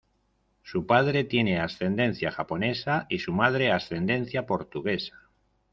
Su padre tiene ascendencia japonesa y su madre ascendencia portuguesa.